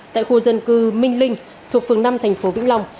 tại khu dân cư minh linh thuộc phường năm tp vĩnh long